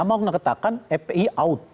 mau mengatakan epi out